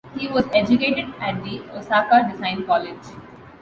He was educated at the Osaka Design College.